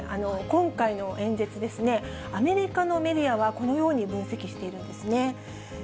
今回の演説ですね、アメリカのメディアはこのように分析しているんですね。